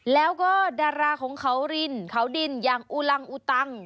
แล้วก็ดาราของเขารินเขาดินอย่างอุลังอุตัง